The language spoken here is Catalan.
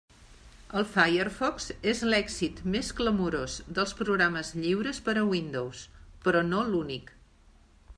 El Firefox és l'èxit més clamorós dels programes lliures per a Windows, però no l'únic.